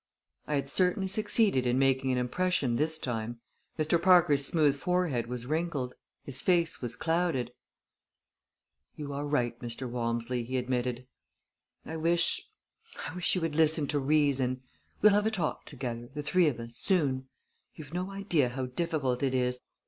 I had certainly succeeded in making an impression this time. Mr. Parker's smooth forehead was wrinkled; his face was clouded. "You are right, Mr. Walmsley," he admitted. "I wish I wish she would listen to reason. We'll have a talk together the three of us soon. You've no idea how difficult it is!